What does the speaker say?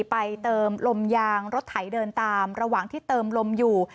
ไปเติมลมยางรถไถเดินตามระหว่างที่เติมลมอยู่